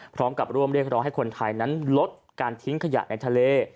พร้อมกับร่วมเรียกร้องให้คนไทยนั้นลดการทิ้งขยะในทะเล